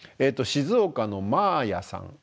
静岡のまーやさん。